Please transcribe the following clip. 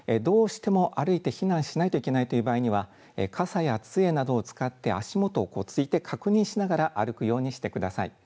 どうしても歩いて避難しないといけないという場合には傘やつえなどを使って足元をついて確認しながら歩くようにしてください。